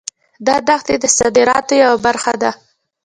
دا دښتې د صادراتو یوه برخه ده.